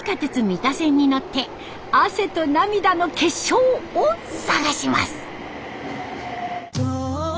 三田線に乗って「汗と涙の結晶」を探します。